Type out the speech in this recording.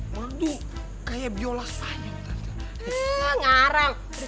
merdu kayak biola sepanjang tante